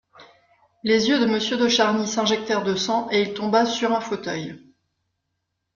Les yeux de Monsieur de Charny s'injectèrent de sang, et il tomba sur un fauteuil.